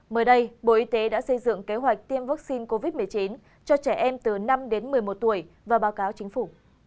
mới đây bộ y tế đã xây dựng kế hoạch tiêm vaccine covid một mươi chín cho trẻ em từ năm đến một mươi một tuổi và báo cáo chính phủ